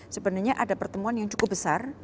sebenarnya ada pertemuan yang cukup besar